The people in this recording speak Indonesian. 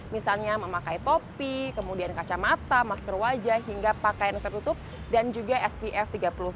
misalnya memakai topi kemudian kacamata masker wajah hingga pakaian tertutup dan juga spf tiga puluh tujuh